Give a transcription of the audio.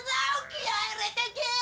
気合入れてけ！